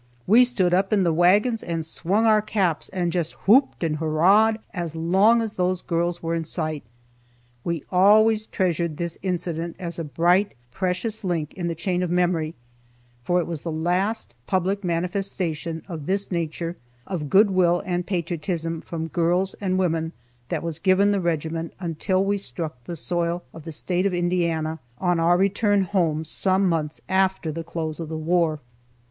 We stood up in the wagons, and swung our caps, and just whooped and hurrahed as long as those girls were in sight. We always treasured this incident as a bright, precious link in the chain of memory, for it was the last public manifestation, of this nature, of good will and patriotism from girls and women that was given the regiment until we struck the soil of the State of Indiana, on our return home some months after the close of the war.